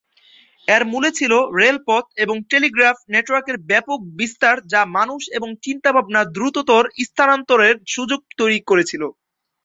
এর মূলে ছিল রেলপথ এবং টেলিগ্রাফ নেটওয়ার্কের ব্যাপক বিস্তার যা মানুষ এবং চিন্তা-ভাবনার দ্রুততর স্থানান্তরের সুযোগ তৈরী করেছিল।